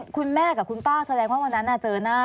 คุณแม่กับคุณป้าแสดงว่าวันนั้นเจอหน้า